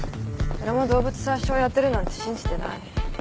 誰も動物殺傷やってるなんて信じてない。